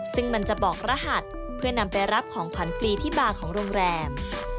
ซึ่งมันจะบอกรหัสเพื่อนำไปรับของขวัญฟรีที่บาร์ของโรงแรม